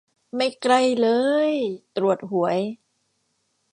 ไม่ใกล้เล้ย ตรวจหวย